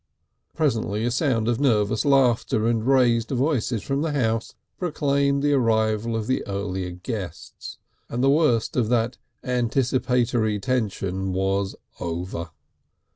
Presently a sound of nervous laughter and raised voices from the house proclaimed the arrival of the earlier guests, and the worst of that anticipatory tension was over.